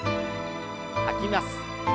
吐きます。